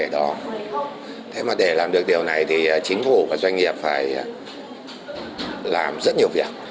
để làm được điều này thì chính phủ và doanh nghiệp phải làm rất nhiều việc